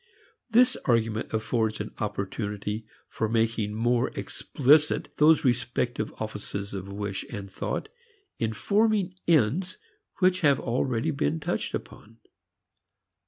This argument affords an opportunity for making more explicit those respective offices of wish and thought in forming ends which have already been touched upon.